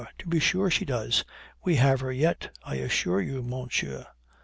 to be sure she does; we have her yet, I assure you, monsieur.'